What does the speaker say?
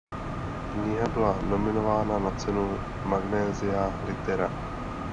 Kniha byla nominována na cenu Magnesia Litera.